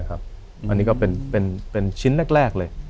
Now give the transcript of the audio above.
อันนี้ก็เป็นชิ้นแรกเลย